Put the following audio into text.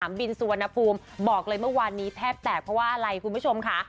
บินสุวรรณภูมิบอกเลยเมื่อวานนี้แทบแตกเพราะว่าอะไรคุณผู้ชมค่ะ